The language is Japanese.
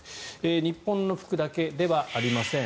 日本の服だけではありません。